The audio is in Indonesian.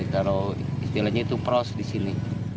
kalau istilahnya itu prost disini